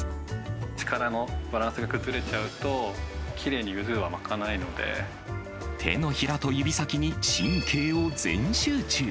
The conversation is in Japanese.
力のバランスが崩れちゃうと、手のひらと指先に神経を全集中。